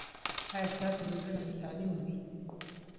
ایا ستاسو روزنه به سالمه وي؟